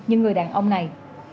như người đàn ông này